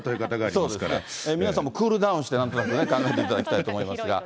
皆さんもクールダウンして、なんとなく考えていただきたいと思いますが。